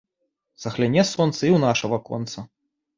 Загляне сонца i ў наша ваконца